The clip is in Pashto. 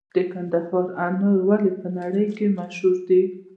د کندهار انار ولې په نړۍ کې مشهور دي؟